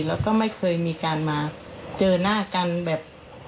แล้วก็ไม่เคยมีการมาเจอหน้ากันแบบ